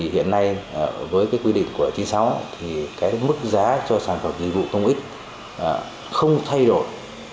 hiện nay với cái quy định của chín mươi sáu thì cái mức giá cho sản phẩm dịch vụ công ích không thay đổi